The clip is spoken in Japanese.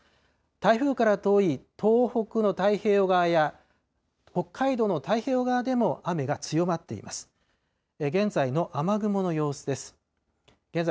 台風から遠い東北の太平洋側や北海道の太平洋側でも雨が強まっています。